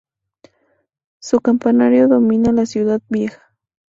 Su campanario domina la ciudad vieja.